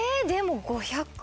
でも５００。